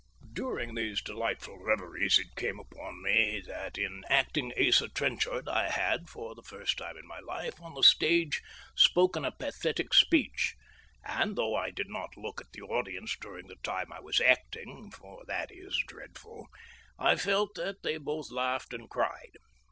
During these delightful reveries it came up before me that in acting Asa Trenchard I had, for the first time in my life on the stage, spoken a pathetic speech; and though I did not look at the audience during the time I was acting for that is dreadful I felt that they both laughed and cried.